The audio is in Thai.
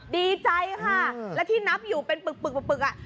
ดีใจค่ะและที่นับอยู่เป็นปึกอ่ะ